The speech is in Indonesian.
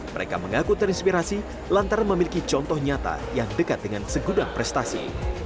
mereka mengaku terinspirasi lantaran memiliki contoh nyata yang dekat dengan segudang prestasi